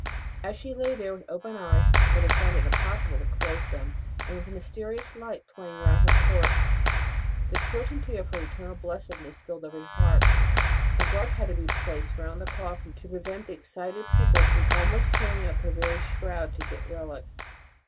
As she lay there with open eyes for they had found it impossible to close them and with a mysterious light playing round her corpse, the certainty of her eternal blessedness filled every heart, and guards had at last to be placed round the coffin to prevent the excited people from almost tearing up her very shroud to get relics.